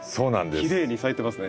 きれいに咲いてますね。